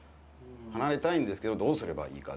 離れたいんですけど、どうすればいいか？